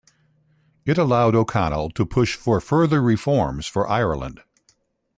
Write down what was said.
It allowed O'Connell to push for further reforms for Ireland.